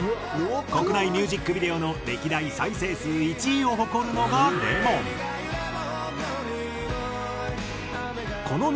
国内ミュージックビデオの歴代再生数１位を誇るのが『Ｌｅｍｏｎ』。